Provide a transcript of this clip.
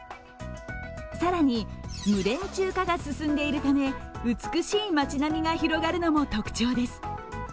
更に、無電柱化が進んでいるため、美しい街並みが広がるのも特徴です。